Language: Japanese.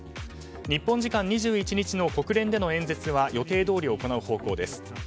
日本時間２１日の国連での演説は予定どおり行う方向です。